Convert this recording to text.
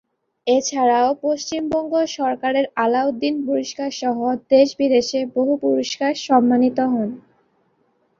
এছাড়াও পশ্চিমবঙ্গ সরকারের আলাউদ্দিন পুরস্কারসহ দেশ বিদেশের বহু পুরস্কারে সম্মানিত হন।